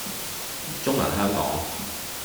中銀香港